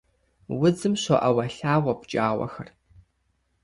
Удзым щоӀэуэлъауэ пкӀауэхэр.